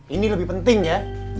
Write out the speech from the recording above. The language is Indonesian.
ini lebih penting ya